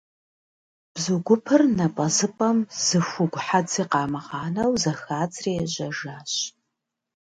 Бзу гупыр напӀэзыпӀэм зы хугу хьэдзи къамыгъанэу зэхадзри ежьэжащ.